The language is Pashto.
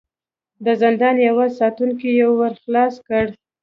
د زندان يوه ساتونکي يو ور خلاص کړ.